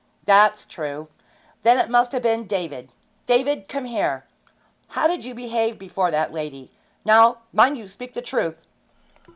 'That's true. Then it must have been David. David, come here! How did you behave before that lady? Now, mind you speak the truth!'